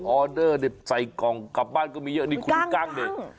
ออเดอร์ใส่กล่องกลับบ้านก็มีเยอะนี่คุณลูกกั้งนี่